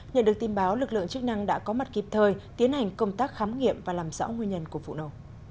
nhận được tin báo lực lượng chức năng đã có mặt kịp thời tiến hành công tác khám nghiệm và làm rõ nguyên nhân của vụ nổ